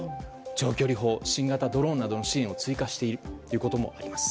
長距離砲や新型ドローンなどの支援を追加しているということもあります。